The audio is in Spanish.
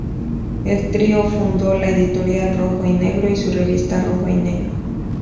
El trío fundó la editorial "Rojo y Negro" y su revista Rojo y Negro.